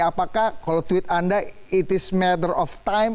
apakah kalau tweet anda it is matter of time